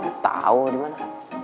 gak tau di mana